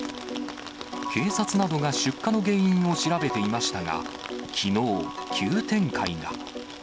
警察などが出火の原因を調べていましたが、きのう、急展開が。